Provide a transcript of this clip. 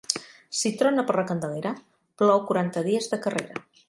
Si trona per la Candelera, plou quaranta dies de carrera.